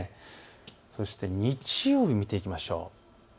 そして日曜日、見ていきましょう。